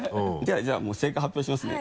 じゃあもう正解発表しますね。